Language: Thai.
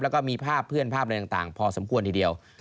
แล้วก็มีภาพเพื่อนภาพอะไรต่างพอสมควรทีเดียว